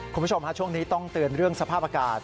คุณผู้ชมฮะช่วงนี้ต้องเตือนเรื่องสภาพอากาศ